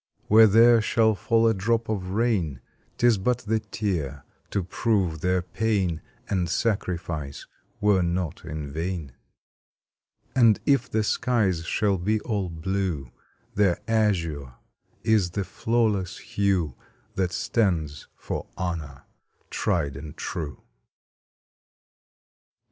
Where there shall fall a drop of rain Tis but the tear to prove their pain And sacrifice were not in vain. And if the skies shall be all blue Their azure is the flawless hue That stands for Honor tried and true.